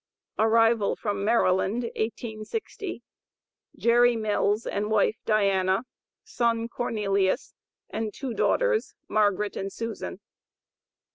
ARRIVAL FROM MARYLAND, 1860. JERRY MILLS, AND WIFE, DIANA, SON, CORNELIUS, AND TWO DAUGHTERS, MARGARET, AND SUSAN.